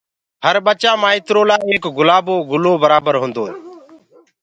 هر ٻچآ ٻآئترو لآ ايڪ گُلآبو گُلو برآبر هوندوئي